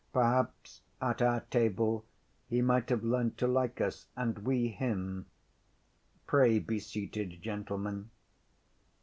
Perhaps at our table he might have learnt to like us, and we him. Pray be seated, gentlemen."